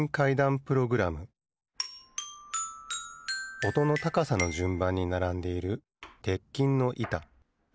おとのたかさのじゅんばんにならんでいる鉄琴のいた。